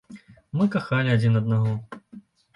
Мы кахалі адзін аднаго.